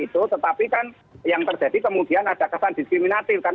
itu tetapi kan yang terjadi kemudian ada kesan diskriminatif